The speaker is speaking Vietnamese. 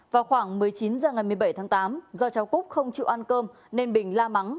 vào khoảng một mươi chín h ngày một mươi bảy tháng tám do cháu cúc không chịu ăn cơm nên bình la mắng